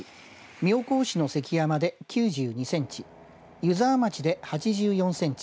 妙高市の関山で９２センチ湯沢町で８４センチ